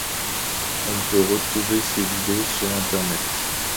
On peut retrouver ces vidéos sur internet.